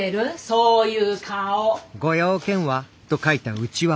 そういう顔！